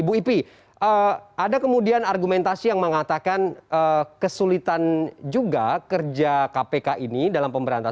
bu ipi ada kemudian argumentasi yang mengatakan kesulitan juga kerja kpk ini dalam pemberantasan